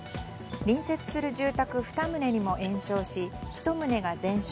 隣接する住宅２棟にも延焼し１棟が全焼